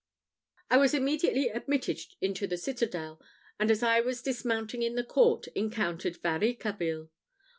I was immediately admitted into the citadel, and as I was dismounting in the court, encountered Varicarville.